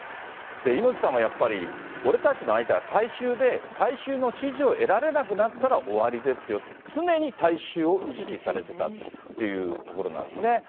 猪木さんはやっぱり、俺たちの相手は大衆で、大衆の支持を得られなくなったら、終わりですよ、常に大衆を意識されていたっていうところなんですね。